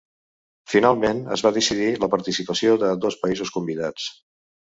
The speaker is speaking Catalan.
Finalment es va decidir la participació de dos països convidats.